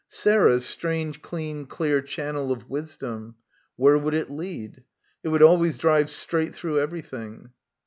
Sarah's strange clean clear channel of wisdom. Where would it lead? It would always drive straight through everything.